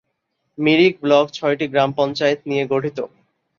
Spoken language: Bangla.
মিরিক ব্লক ছয়টি গ্রাম পঞ্চায়েত নিয়ে গঠিত।